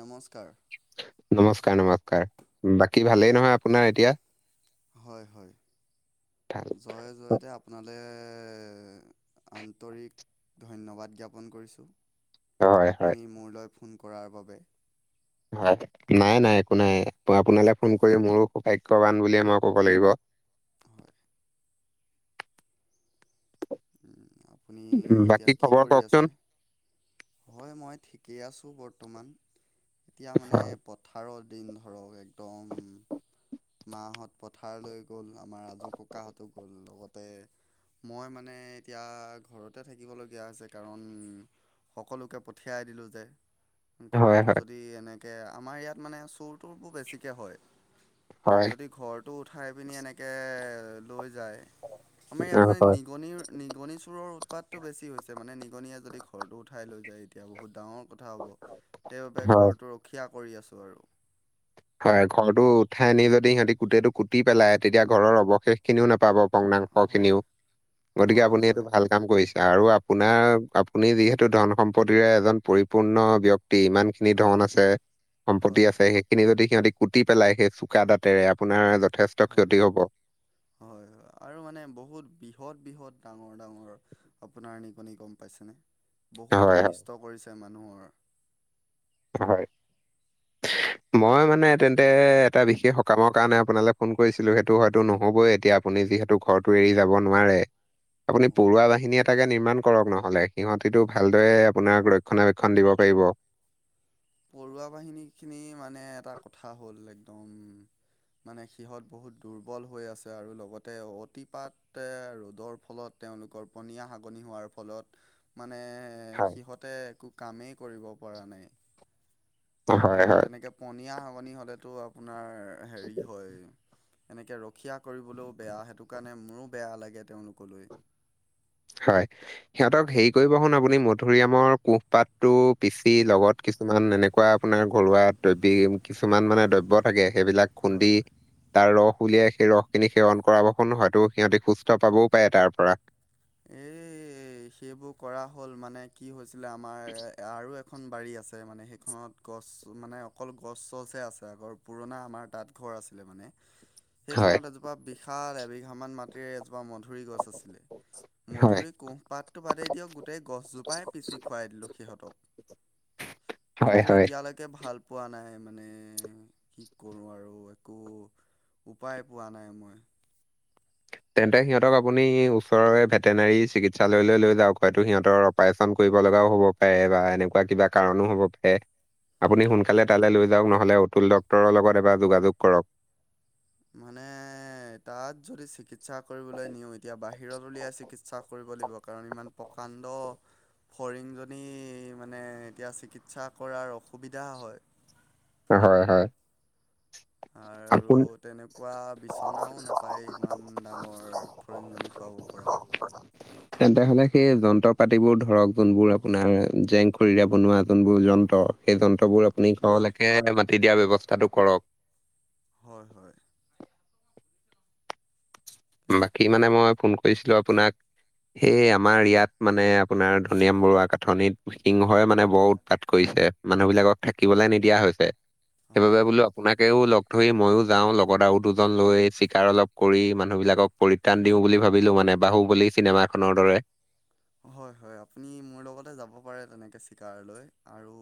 নমস্কাৰ। নমস্কাৰ- নমস্কাৰ, বাকী ভালেই নহয় আপোনাৰ এতিয়া। হয়-হয়। [unintelligible] জয় জয়তে আপোনালে, আন্তৰিক ধন্যবাদ জ্ঞাপন কৰিছোঁ, হয়, হয়, আপুনি মোৰলৈ ফোন কৰাৰ বাবে। হয়, নাই-নাই একো নাই আপোনালৈ ফোন কৰি মোৰো সৌভাগ্যৱান বুলিয়ে মই ক'ব লাগিব। হয়। উম, আপুনি বাকী এতিয়া কি খবৰ কৰি কওকচোন? আছে। হয় মই ঠিকেই আছোঁ বৰ্তমান, এতিয়া মানে হয়, পট থাৰৰ দিন ধৰক একদম মাহঁত পথাৰলৈ গ'ল আমাৰ আজু ককাহঁতো গ'ল লগত তে মই মানে এতিয়া ঘৰতে থাকিবলগীয়া হৈছে কাৰণ সকলোকে পঠিয়াই দিলোঁ যে। হয়, ঘৰটো হয়, যদি এনেকে আমাৰ ইয়াত মানে চোৰটোৰবোৰ বেছিকে হয়। হয়, যদি ঘৰটো উঠাই পিনি এনেকে লৈ যায়, আমাৰ ইয়াত অ', মানে হয়। নিগনিৰ নিগনি চোৰৰ উৎপাতটো বেছি হৈছে, মানে নিগনিয়ে যদি ঘৰটো উঠাই লৈ যায়, এতিয়া বহুত ডাঙৰ কথা হ'ব। সেইবাবে হয়, ঘৰটো ৰখীয়া কৰি আছোঁ আৰু। হয়, ঘৰটো উঠাই আনি যদি সিহঁতি গোটেইটো কুটি পেলাই, তেতিয়া ঘৰৰ অৱশেষ খিনিও নাপাব। ভংগ্নাশখিনিও, হয় গতিকে হয় আপুনি সেইটো হয় ভাল কাম কৰিছে আৰু আপোনাৰ আপুনি যিহেতু ধন সম্পত্তিৰে এজন পৰিপূৰ্ণ ব্যক্তি, ইমান খিনি ধন হয়। আছে, সম্পত্তি হয় আছে, সেইখিনি যদি সিহঁতি কুটি পেলাই সেই চোকা দাঁতেৰে আপোনাৰ যথেষ্ট হয় ক্ষতি হ'ব। হয়- হয় আৰু মানে বহুত বৃহৎ- বৃহৎ ডাঙৰ- ডাঙৰ আপোনাৰ নিগনি গম পাইছেনে, বহুত হয় হয় অনিষ্ট কৰিছে মানুহৰ। [unintelligible] মই মানে তেন্তে এটা বিশেষ সকামৰ কাৰণে আপোনালে ফোন কৰিছিলো, সেইটো হয়তো নহ'বই এতিয়া আপুনি যিহেতু ঘৰতো এৰি যাব নোৱাৰে। [inaudible] আপুনি পৰুৱা হয় বাহিনীয়ে তাকে নিৰ্মাণ কৰক নহ'লে, সিহঁতিটো ভালদৰে আপোনাক ৰক্ষণাবেক্ষণ দিব পাৰিব। পৰুৱা বাহিনীখিনি মানে এটা কথা হ'ল একদম মানে সিহঁত বহুত দুৰ্বল হৈ আছে আৰু লগতে অতিপাত তে ৰ'দৰ ফলত তেওঁলোকৰ পনীয়া হাগনি হোৱাৰ ফলত মানে এ হয় সিহঁতে একো কামেই কৰিব পৰা নাই। হয় আৰু হয় তেনেকে পনীয়া হাগনি হ'লেতো আপোনাৰ হেৰি হয় এনেকে ৰখীয়া কৰিবলৈও বেয়া, সেইটো কাৰণে মোৰো বেয়া লাগে তেওঁলোকলৈ। হয়, সিহঁতক হেৰি কৰিব শুন আপুনি মধুৰিআমৰ কোষপাতটো পিচি লগত কিছুমান এনেকুৱা আপোনাৰ ঘৰুৱা দৈবিক কিছুমান মানে দ্ৰব্য থাকে সেইবিলাক হয় খুন্দি হয় তাৰ ৰস উলিয়াই সেই ৰস খিনি সেৱন কৰাব শোন, হয়তো সিহঁতি সুস্থ পাবও পাৰে তাৰ পৰা। এই সেইবোৰ কৰা হ'ল, মানে কি হৈছিলে আমাৰ আৰু এ এখন বাৰী আছে মানে সেইখনত গছ মানে অকল গছ চছ আছে আছে আগৰ পুৰণা আমাৰ তাত ঘৰ আছিলে মানে। হয়, সেইখনত এজোপা বিশাল এবিঘামান মাটিৰে এজোপা মধুৰি গছ আছিলে। [inaudible] মধুৰি কোঁহপাতটো বাদেই দিয়ক গোটেই গছজোপাই পিচি খুৱাই দিলোঁ সিহঁতক। হয়, কিন্তু হয়। এতিয়ালে কে ভাল পোৱা নাই মানে কি কৰোঁ আৰু একো উপায় পোৱা নাই মই। তেন্তে সিহঁতক আপুনি ওচৰৰে ভেটেনাৰী চিকিৎসালয়লৈ লৈ যাওক, হয়তো সিহঁতৰ অপাৰেচন কৰিব লগাও হ'ব পাৰে বা এনেকুৱা কিবা কাৰণো হ'ব পাৰে। আপুনি সোনকালে তালে লৈ যাওঁক, নহ'লে অতুল ডক্তৰৰ লগত এবাৰ যোগাযোগ কৰক। মানে তাত যদি চিকিৎসা কৰিবলৈ নিওঁ, এতিয়া বাহিৰত উলিয়াই চিকিৎসা কৰি ব লাগিব, কাৰণ ইমান প্ৰকাণ্ড ফৰিংজনী মানে এতিয়া চিকিৎসা কৰাৰ অসুবিধা হয়। হয়- হয়। আৰু আপুনি তেনেকুৱা বিচনাও নাপায় ইমান ডাঙৰ ফৰিংজনী শোৱাব পৰা। [inaudible] তেন্তে হ'লে সেই যন্ত্ৰ পাতিবোৰ ধৰক যোনবোৰ আপোনাৰ জেং খৰিৰে বনোৱা যোনবোৰ যন্ত্ৰ। সেই যন্ত্ৰবোৰ আপুনি গ'ল ঘৰলেকে হে মাতি দিয়াৰ ব্যৱস্থাটো কৰক। হয়- হয়। কেলে বাকী মানে মই ফোন কৰিছিলো আপোনাক, সেই আমাৰ ইয়াত মানে আপোনাৰ ধনিৰাম ভোলাদা বৰুৱা কাথনিত সিংহই মানে বৰ উৎপাত কৰিছে। মানুহবিলাকক থাকিবলে নিদিয়া হৈছে, হয় সেইবাবে হয় বোলো আপোনাকেও লগ থৰি মইও যাও লগত আৰু দুজন লৈ চিকাৰ অলপ কৰি মানুহবিলাক অলপ পৰিত্ৰাণ দিও বুলি ভাবিলো মানে বাহুবলি চিনেমাখনৰ দৰে। হয়- হয়, আপুনি মোৰ লগতে যাব পাৰে তেনেকে চিকাৰলৈ। আৰু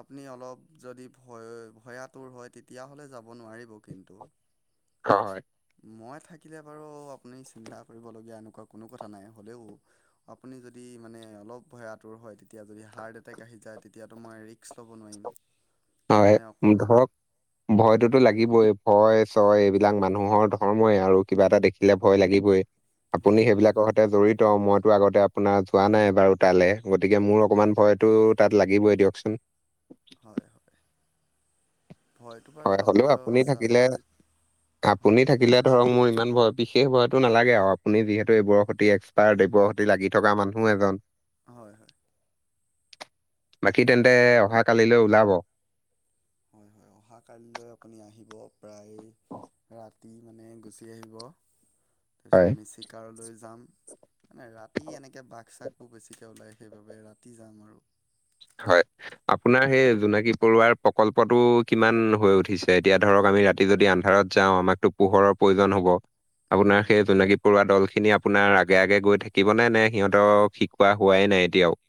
আপুনি অলপ যদি ভয় ভয়াতুৰ হয়, তেতিয়াহ'লে যাব নোৱাৰিব কিন্তু। [unintelligible] মই থাকিলে বাৰু আপুনি চিন্তা কৰিবলগীয়া এনেকুৱা কোনো কথা নাই হ'লেও। আপুনি যদি মানে অলপ ভয়াতুৰ হয় তেতিয়া যদি হাৰ্ট এটেক আহি যায় তেতিয়াতো মই ৰিস্ক ল'ব নোৱাৰিম। [inaudible] হয়, অকণো ধৰক ভয়টোতো লাগিবই, ভয় ছয় এইবিলাক মানুহৰ ধৰ্মই আৰু কিবা এটা দেখিলে ভয় লাগিবই। আপুনি হয় হয় সেইবিলাকৰ জড়িত মইতো আগতে আপোনাৰ যোৱা নাই বাৰু তালে, গতিকে মোৰ অকণমান ভয় টো তাত লাগিবই দিয়কচোন। হয়- হয়। ভয়টো বাৰু হয়, হ'লেও লগাটো আপুনি স্বাভাৱিক হয় থাকিলে-আপুনি হয় থাকিলে ধৰক মোৰ ইমান ভয় বিশেষ ভয়টো নালাগে আৰু আপুনি যিহেতু এইবোৰৰ সতি এক্সপাৰ্ট এইবোৰ তে লাগি থকা মানুহ এজন। হয়- হয়। বাকী তেন্তে অহা কালিলৈ ওলাব। হয়- হয়, অহা কালিলৈ আপুনি আহিব প্ৰায় ৰা তি মানে গুচি আহিব, তাৰপিছত হয় আমি চিকাৰলৈ যাম। মানে ৰাতি এনেকে বাঘ চাঘবোৰ বেছিকে ওলায় সেইবাবে ৰাতি যাম আৰু। হয়। আপোনাৰ সেই জোনাকী পৰুৱাৰ প্ৰকল্পটো কিমান হৈ উঠিছে, এতিয়া ধৰক আমি ৰাতি যদি আন্ধাৰত যাওঁ আমাকতো পোহৰৰ প্ৰয়োজন হ'ব, আপোনাৰ হয় সেই জোনাকী পৰুৱা দল খিনি আপোনাৰ আগে আগে গৈ থাকিব নে-নে, সিহঁতক শিকোৱা হোৱাই নাই এতিয়াও।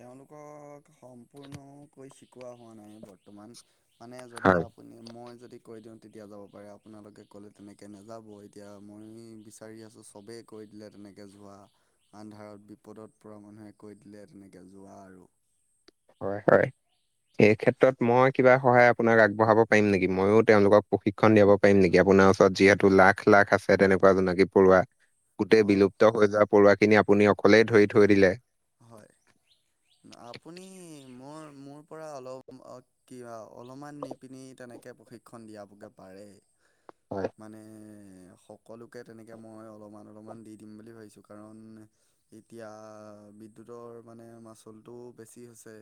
তেওঁলোকক সম্পূৰ্ণকৈ সিকোৱা হোৱা নাই বৰ্তমান, মানে যদি হয়, আপুনি মই যদি কৈ দিওঁ তেতিয়া যাব পাৰে আপোনালোকে ক'লে তেনেকে নেযাব, এতিয়া মই বিচাৰি আছোঁ চবে কৈ দিলে তেনেকে যোৱা, আন্ধাৰত বিপদত পৰা মানুহে কৈ দিলে তেনেক কে যোৱা আৰু। হয় -হয়। এই ক্ষেত্ৰত মই কিবা সহায় আপোনাক আগবঢ়াব পাৰিম নেকি, মইয়ো তেওঁলোকক প্ৰশি খন দিয়াব পাৰিম নেকি আপোনাৰ ওচৰত যিহেতু লাখ -লাখ আছে তেনেকুৱা জোনাকী পৰুৱা। গোটেই অঁ বিলুপ্ত হৈ যোৱা পৰুৱাখিনি আপুনি অকলেই ধৰি থৈ দিলে। হয়, আপুনি মোৰ- মোৰ পৰা অলপ কিবা অলপমান নি পিনি তেনেকে প্ৰশিক্ষণ দিয়াবগে পাৰে। হয়। মানে স সকলোকে তেনেকে মই অলপমান- অলপমান দি দিম বুলি ভাবিছোঁ, কাৰণ এতিয়া বিদ্যুতৰ মানে মাচুলটো বেছি হৈছে।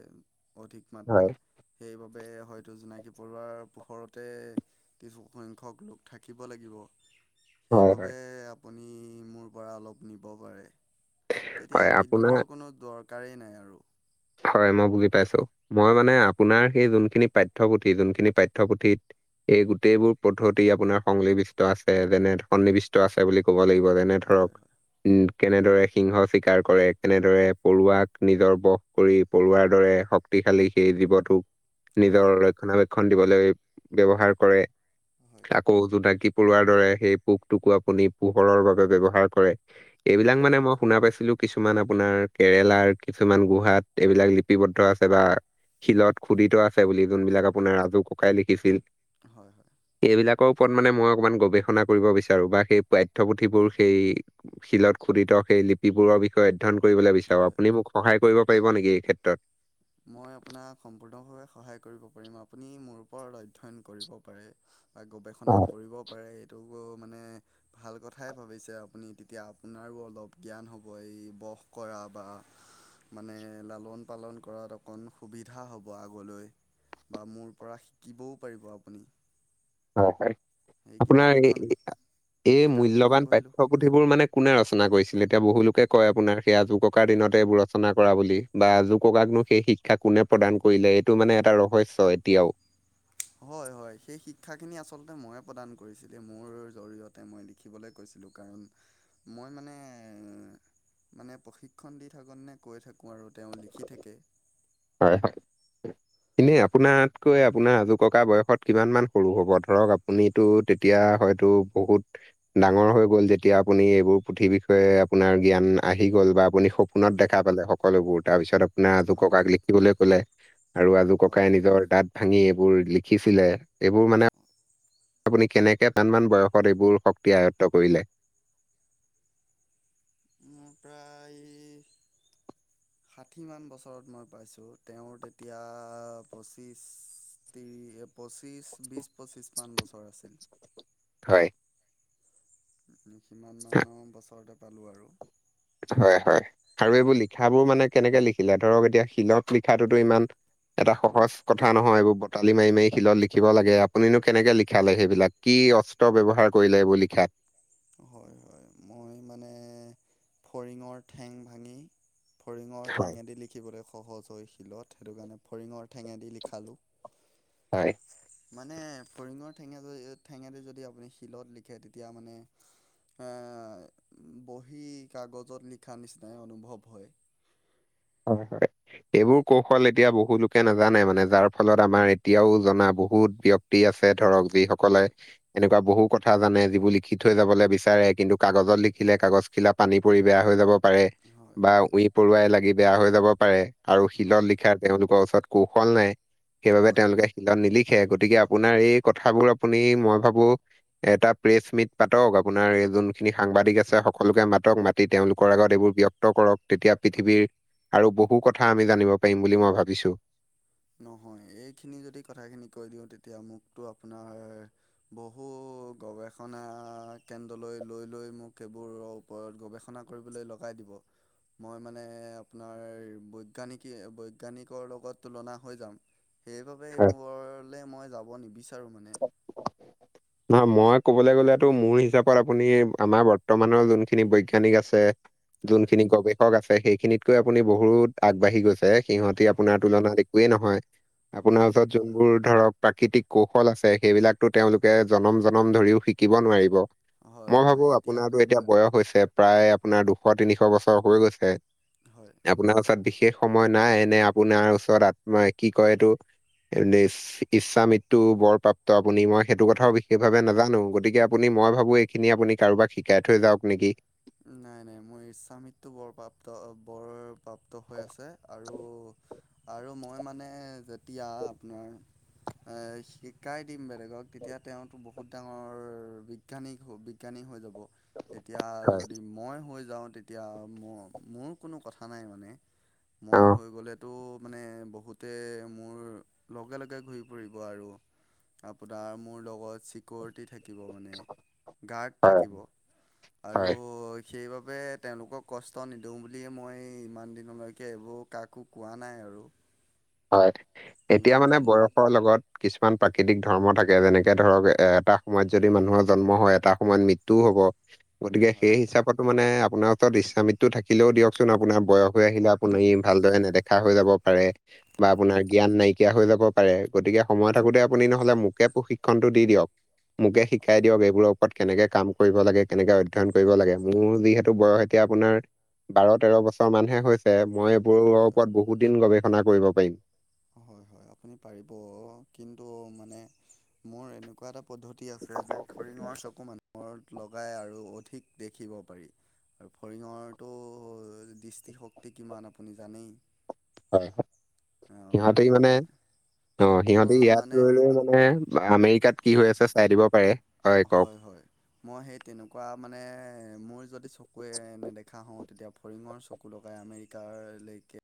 অধিক হয়, মাত্ৰাত, সেইবাবে হয়তো জোনাকী পৰুৱাৰ পোহৰতে কিছুসংখ্যক লোক থাকিব লাগিব। হয়, হয় সেইবাবে আপুনি মোৰ পৰা অলপ নিব পাৰে। তেতিয়া হয়, আপোনাৰ বিদ্যুতৰ কোনো দৰকাৰে নাই আৰু। হয়, মই বুজি পাইছোঁ। মই মানে আপোনাৰ সেই যোনখিনি পাঠ্যপুথি যোনখিনি পাঠ্যপুথিত এই গোটেইবোৰ পদ্ধতি আপোনাৰ সংলিবিষ্ট আছে যেনে সন্নিৱিষ্ট ত' আছে বুলি ক'ব লাগিব যেনে ধৰক হয় হয় উম, কেনেদৰে সিংহ চিকাৰ কৰে, কেনেদৰে পৰুৱাক নিজৰ বস কৰি পৰুৱাৰ দৰে শক্তিশালী সেই জীৱটোক হয় নিজৰ ৰক্ষণাবেক্ষণ দিবলৈ ব্যৱহাৰ কৰে হয় আ আকৌ জোনাকি পৰুৱাৰ দৰে সেই পোকটোকো আপুনি পোহৰৰ বাবে ব্যৱহাৰ কৰে। হয় এইবিলাক মানে মই শুনা পাইছিলোঁ কিছুমান আপোনাৰ কেৰেলাৰ, কিছুমান গুৱহাট এইবিলাক লিপিবদ্ধ আছে বা শিলত খুদিত আছে বুলি যোনবিলাক আপোনাৰ আজু ককাই লিখিছিল। হয়-হয়। এইবিলাকৰ ওপৰত মানে মই অকমান গৱেষণা কৰিব বিচাৰোঁ, বা সেই পাঠ্যপুথিবোৰ সেই শিলত খুদিত সেই লিপ লিপিবোৰৰ বিষয়ে অধ্যয়ন কৰিবলে বিচাৰোঁ, হয় আপুনি মোক সহায় কৰিব পাৰিব নেকি এই ক্ষেত্ৰত? মই আপোনাক সম্পূৰ্ণভাৱে সহায় কৰিব পাৰিম, আপুনি মোৰ ওপৰত অধ্যয়ন কৰিব পাৰে। বা গৱেষণা হয়, কৰিব পাৰে এইটো মানে ভাল কথাই ভাবিছে আপুনি তেতিয়া আপোনাৰো অলপ জ্ঞান হ'ব এই বস কৰা বা মানে লালন-পালন কৰাত অকণ সুবিধা হ'ব আগলৈ বা মোৰ পৰা শিকিবওঁ পাৰিব আপুনি। হয়- হয় সেই আপোনাৰ এই কিতাপকেইখন -এই কিতাপকেইখন মূল্যবান পঢ়িলোঁ পাঠ্যক পুথিবোৰ মানে কোনে ৰচনা কৰিছিলে? এতিয়া বহুলোকে কয় আপোনাৰ সেই আজু ককাৰ দিনতে এইবোৰ ৰচনা কৰা বুলি বা আজুক ককাকনো সেই শিক্ষা কোনে প্ৰদান কৰিলে এইটো মানে এটা ৰহস্যয় এতিয়াও। হয়-হয় সেই শিক্ষাখিনি আচলতে মই প্ৰদান কৰিছিলে, মোৰ জৰিয়তে মই লিখিবলৈ কৈছিলোঁ কাৰণ মই মানে মানে প্ৰশিক্ষণ দি থাকননে কৈ থাকোঁ আৰু তেওঁ লিখি থাকে। হয় [unintelligible] এনেই আপোনাতকৈ আপোনাৰ আজো ককা বয়সত কিমান মান সৰু হ'ব? ধৰক আপুনিতো তেতিয়া হয়তো বহুত ডাঙৰ হৈ গ'ল যেতিয়া আপুনি এইবোৰ পুথিৰ বিষয়ে আপোনাৰ জ্ঞান আহি গ'ল বা বুলি সপোনত হয় দেখা পালে সকলোবোৰ তাৰপিছত আপোনাৰ আজু হয় ককাক লি [unintelligible] আৰু আজু হয় ককাই নিজৰ দাত ভাঙি এইবোৰ লিখিছিলে এইবোৰ মানে আপুনি কেনেকে টানমান বয়সত এইবোৰ শক্তি আয়ত্ত কৰিলে? মুক ধৰা এই ষাঠিমান বছৰত মই পাইছোঁ, তেওঁ তেতিয়া পঁচিছ পঁচিশ বিশ পঁচিশ মান বছৰ আছিল। হয়। সিমান মানৰ বছৰতে পালোঁ আৰু। হয়-হয় আৰু এইবোৰ লিখাবোৰ মানে কেনেকে লিখিলে? ধৰক এতিয়া শিলত লিখাতোতো ইমান এটা সহজ কথা নহয় এইবোৰ বটালি মাৰি-মাৰি শিলত লিখিব লাগে আপুনো কেনেকে লিখালে সেইবিলাক? কি অস্ত্ৰ ব্যৱহাৰ কৰিলে এইবোৰ লিখাত? হয়-হয় মই মানে ফৰিঙৰ ঠেং ভাঙি ফৰিঙৰ হয়, ঠেঙেদি লিখিবলৈ সহজ হয় শিলত সেইটো কাৰণে ফৰিঙৰ ঠেঙে দি লিখালোঁ। হয়। মানে ফৰিঙৰ ঠেঙা য ঠেঙাটো যদি আপুনি শিলত লিখে তেতিয়া মানে আ বহি কাগজত লিখা নিচিনাই অনুভৱ হয়। হয়-হয়। এইবোৰ কৌশল এতিয়া বহুুলোকে নাজানে মানে যাৰ ফলত আমাৰ এতিয়াও জনা বহুত ব্যক্তি ব্যক্তি আছে ধৰক যিসকলে হয় এনেকুৱা বহু কথা জানে যিবোৰ লিখি থৈ যাবলৈ বিচাৰে কিন্তু কাগজত লিখিলে কাগজ খিলা পানী পৰি বেয়া হৈ যাব। হয় বা উই পৰুাই লাগি বেয়া হৈ যাব পাৰে, আৰু হয় শিলত লিখা তেওঁলোকৰ ওচৰত কৌশল নাই সেইবাবে হয় তেওঁলোকে তাত নিলিখে গতিকে আপোনাৰ এই কথাবোৰ আপুনি মই ভাবোঁ এটা প্ৰেচ মিট পাতক আপোনাৰ এই যোনখিনি সাংবাদিক আছে সকলোকে মাতক, মাতি দি তেওঁলোকৰ হয় আগত এইবোৰ ব্যক্ত কৰক তেতিয়া পৃথিৱীৰ আৰু বহু কথা আমি জানিব পাৰিম বুলি মই ভাবিছোঁ। নহয় এইখিনি যদি কথাখিনি কৈ দিওঁ তেতিয়া মোকতো আপোনাৰ বহু গৱেষণা কেন্দ্ৰলৈ লৈ-লৈ মোক এইবোৰ ওপৰত গৱেষণা কৰিবলৈ লগাই দিব। মই মানে আপোনাৰ বৈজ্ঞানিকী বৈজ্ঞানিকৰ লগত তুলনা হয় যাম। সেইবাবে সেইবোৰলে মই যাব নিবিচাৰোঁ মানে। নহয় মই কবলৈ গ'লোতো মোৰ হিচাপত আপুনি আমাৰ বৰ্তমানৰ যোনখিনি বৈজ্ঞানিক আছে যোন হয় খিনি গৱেষক আছে সেইখিনিতকৈ আপুনি বহুত আগবাঢ়ি গৈছে। সিহঁতি হয় আপোনাৰ হয় তুলনাত একোৱেই নহয়। আপোনাৰ হয় ওচৰত যোনবোৰ ধৰক প্ৰাকৃতিক কৌশল সকল আছে সেইবিলাকতো তেওঁলোকে জনম-জনম ধৰিও শিকিব নোৱাৰিব। হয় মই হয় ভাৱোঁ আপোনাৰতো এতিয়া বয়স হৈছে, প্ৰায় আপোনাৰ দুশ তিনিশ বছৰ হৈ গৈছে। হয়। আপোনাৰ ওচৰত বিশেষ সময় নাই এনে আপোনাৰ ওচৰত কি কয় এইটো? [unintelligible] ইচ্ছামিত বৰপ্ৰাপ্ত আপুনি মই সেইটো কথাও বিশেষ ভাৱে নাজানোঁ, গতিকে আপুনি মই ভাৱোঁ খিনি আপুনি কাৰোবাক শিকাই থৈ যাওঁক নেকি? নাই-নাই মোৰ ইচ্ছামৃত বৰ প্ৰাপ্ত বৰ প্ৰাপ্ত হৈ আছে আৰু-আৰু মই মানে যেতিয়া আপোনাৰ আ শিকাই দিম বেলেগক তেতিয়া তেওঁতো বহুত ডাঙৰ বি বিজ্ঞানিক হ‌ও বিজ্ঞানিক হৈ যাব, তেতিয়া হয়। মই হৈ যাওঁ তেতিয়া ম মোৰ কোনো কথা নাই মানে। অ মই হৈ গ'লেতো মানে বহুতে মোৰ লগে-লগে ঘৰিব আৰু। আপোনাৰ মোৰ লগত চিকিঅৰতি থাকিব থাকিব মানে, গাৰ্ড হয় থাকিব। আৰু হয় ত' সেইবাবে তেওঁলোকক কষ্ট নিদিওঁ বুলিয়ে মই ইমান দিনলৈকে এইবোৰ কাকো একো কোৱা নাই আৰু। হয়। এতিয়া ইমান মানে দা বয়সৰ লগত কিছুমান প্ৰাকৃতিক ধৰ্ম থাকে যেনেকে ধৰক এ এটা সময়ত যদি মানুহৰ জন্ম হয়, এটা সময়ত মৃত্যু টো হ'ব গতিকে হয় সেই হিচাপ তো মানে আপোনাৰ ওচৰত ইচ্ছা মৃত্যু থাকিলেও দিয়কচোন আপোনাৰ বয়স হৈ আহিলে আপুনি ভালদৰে নেদেখা হৈ যাব পাৰে। বা আপোনাৰ জ্ঞান নাইকিয়া হৈ যাব পাৰে, গতিকে সময় থাকোতে আপুনি নহলে মোকে প্ৰশিক্ষণটো দি দিয়ক। মোকে শিকাই দিয়ক এইবোৰক ক'ত কেনেকে কাম কৰিব লাগে কেনেকে অধ্যয়ন কৰিব লাগে, মোৰ যিহেতু বয়স এতিয়া আপোনাৰ বাৰ তেৰ বছৰ মানহে হৈছে মই এইবোৰৰ হয় হয় ওপৰত বহুত দিন গৱেষণা কৰিব পাৰিম। হয়- হয়, আপুনি পাৰিব, কিন্তু মানে মোৰ এনেকুৱা এটা পদ্ধ তি আছে যে, ফৰিঙৰ চকু মানুহৰ লগাই আৰু অধিক দেখিব পাৰি। আৰু ফৰিঙৰটো দৃষ্টিশক্তি কিমান আপুনি জানেই। হয়- হয়, অ সিহঁতি মোৰ মানে অ', চকুৰ সিহঁতে ইয়াত মানে ৰৈ- ৰৈ মানে আমেৰিকাত কি হৈ আছে চাই দিব পাৰে। হয়- হয়। মই সেই তেনেকুৱা মানে মোৰ যদি চকুৱে নেদেখা হওঁ তেতিয়া ফৰিঙৰ চকু লগাই আমেৰিকাৰ লৈকে